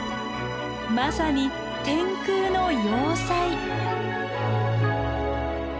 まさに天空の要塞。